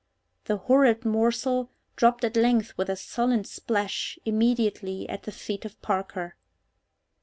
The horrid morsel dropped at length with a sullen splash immediately at the feet of Parker.